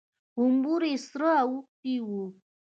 غومبري يې سره اوښتي وو.